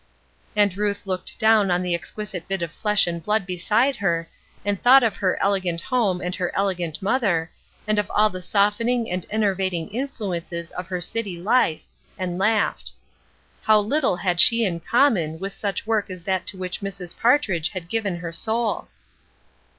And Ruth looked down on the exquisite bit of flesh and blood beside her, and thought of her elegant home and her elegant mother, and of all the softening and enervating influences of her city life, and laughed. How little had she in common with such a work as that to which Mrs. Partridge had given her soul!